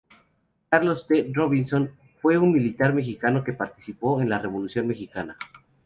Carlos T. Robinson fue un militar mexicano que participó en la Revolución mexicana.